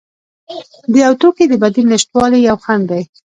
د یو توکي د بدیل نشتوالی یو خنډ دی.